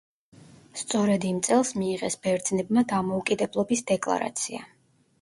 სწორედ იმ წელს მიიღეს ბერძნებმა დამოუკიდებლობის დეკლარაცია.